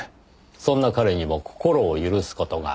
そんな“彼”にも心を許す事がある。